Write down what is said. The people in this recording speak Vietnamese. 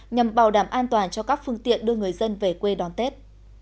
nhằm bảo đảm an toàn cho các phương tiện đưa người dân về quê đón tết